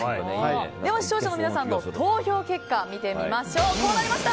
では視聴者の皆さんの投票結果こうなりました。